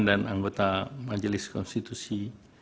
dan anggota majelis konstitusi